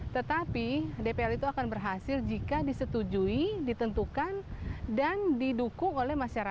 tetapi dpr itu akan berhasil jika disetujui ditentukan dan didukung oleh masyarakat